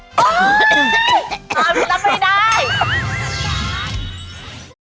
โอ้ยคำรู้รับไม่ได้